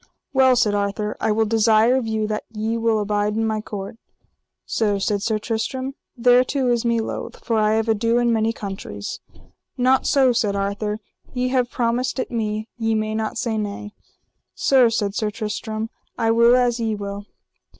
Well, said Arthur, I will desire of you that ye will abide in my court. Sir, said Sir Tristram, thereto is me loath, for I have ado in many countries. Not so, said Arthur, ye have promised it me, ye may not say nay. Sir, said Sir Tristram, I will as ye will.